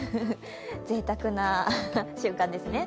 ぜいたくな瞬間ですね。